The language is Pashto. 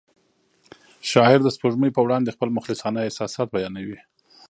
شاعر د سپوږمۍ په وړاندې خپل مخلصانه احساسات بیانوي.